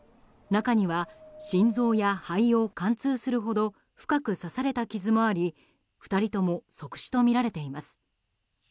中には、心臓や肺を貫通するほど深く刺された傷もあり２人とも即死とみられています。